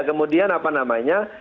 kemudian apa namanya